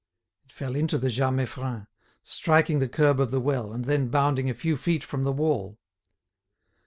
It fell into the Jas Meiffren, striking the curb of the well, and then bounding a few feet from the wall.